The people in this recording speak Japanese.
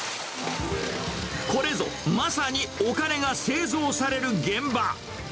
これぞ、まさにお金が製造される現場。